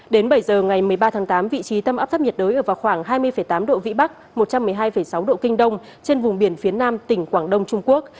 đến bảy giờ ngày một mươi ba tháng tám vị trí tâm áp thấp nhiệt đới ở vào khoảng hai mươi tám độ vĩ bắc một trăm một mươi hai sáu độ kinh đông trên vùng biển phía nam tỉnh quảng đông trung quốc